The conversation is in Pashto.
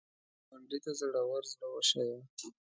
ګاونډي ته زړور زړه وښیه